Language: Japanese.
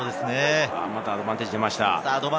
またアドバンテージが出ました。